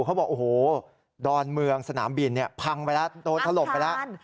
เขาบอกโอ้โหดอนเมืองสนามบินพังไปแล้วโดนถล่มไปแล้ว